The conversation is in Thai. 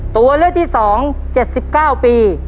ตัวเลือกที่สองเจ็ดสิบเก้าปี